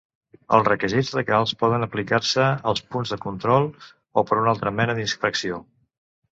Els requisits legals poden aplicar-se als punts de control o per una altra mena d'inspecció.